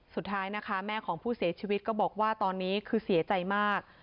สุดท้ายนะคะแม่ของผู้เสียชีวิตก็บอกว่าตอนนี้คือเสียใจมาก